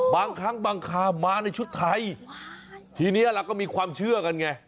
บางครั้งบางคามาในชุดไทยทีนี้เราก็มีความเชื่อกันไง